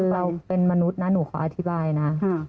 เราเป็นมนุษย์นะหนูขออธิบายนะ